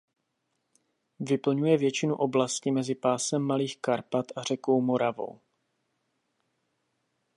Vyplňuje většinu oblasti mezi pásem Malých Karpat a řekou Moravou.